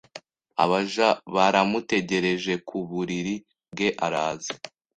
Abaja baramutegerejeku buriri bwe araza